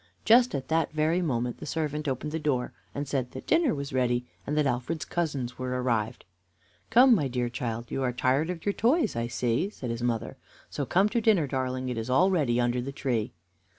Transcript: Just at this very moment the servant opened the door and said that dinner was ready, and that Alfred's cousins were arrived. "Come, my dear child; you are tired of your toys, I see," said his mother, "so come to dinner, darling. It is all ready under the tree."